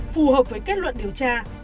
phù hợp với kết luận điều tra